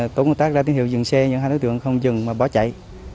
tổ công tác đã tiếp tục dừng xe nhưng hai đối tượng không dừng mà bỏ chạy